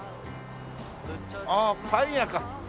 あっパン屋か！